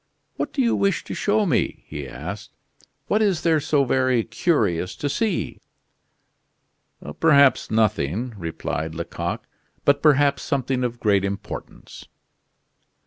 "What do you wish to show me?" he asked. "What is there so very curious to see?" "Perhaps nothing," replied Lecoq, "but perhaps something of great importance."